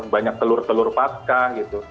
banyak telur telur pasca gitu